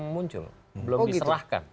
muncul belum diserahkan